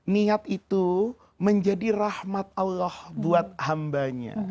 niat itu menjadi rahmat allah buat hambanya